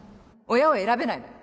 親を選べないのよ